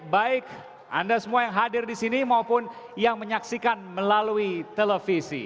baik anda semua yang hadir di sini maupun yang menyaksikan melalui televisi